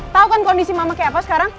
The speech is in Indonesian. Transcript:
tahu kan kondisi mama kayak apa sekarang